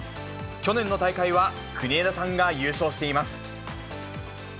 去年の大会は国枝さんが優勝しています。